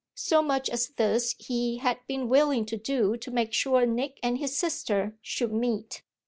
So much as this he had been willing to do to make sure Nick and his sister should meet.